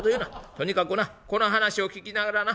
とにかくなこの話を聞きながらな。